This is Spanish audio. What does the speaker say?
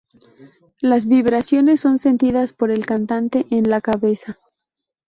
Las vibraciones son sentidas por el cantante "en la cabeza".